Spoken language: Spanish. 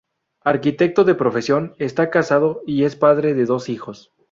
Arquitecto de profesión, está casado y es padre de dos hijos.